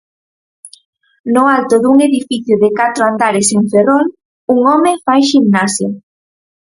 No alto dun edificio de catro andares en Ferrol, un home fai ximnasia.